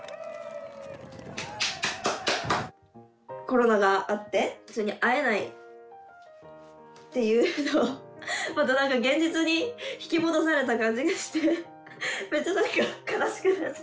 コロナがあって普通に会えないっていうのを現実に引き戻された感じがしてめっちゃ悲しくなった。